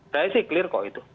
saya sih clear kok itu